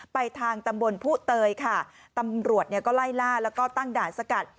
ไปทางตำบลผู้เตยค่ะตำรวจเนี่ยก็ไล่ล่าแล้วก็ตั้งด่านสกัด